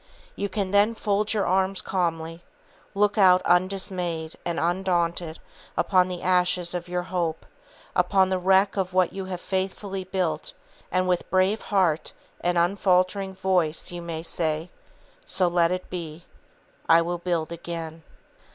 You can then fold your arms calmly, look out undismayed and undaunted upon the ashes of your hope, upon the wreck of what you have faithfully built, and with brave heart and unfaltering voice you may say: "So let it be, I will build again."